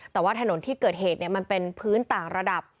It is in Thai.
แต่ว่าถนนที่เกิดเหตุมันเป็นพื้นต่างระดับ